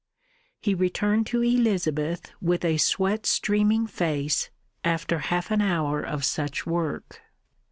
He returned to Elizabeth with a sweat streaming face, after half an hour of such work.